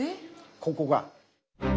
ここが。